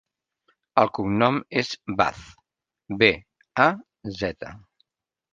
El cognom és Baz: be, a, zeta.